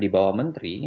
di bawah menteri